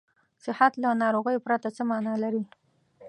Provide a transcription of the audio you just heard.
صحت له ناروغۍ پرته څه معنا لري.